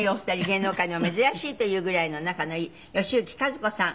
芸能界でも珍しいというぐらいの仲のいい吉行和子さん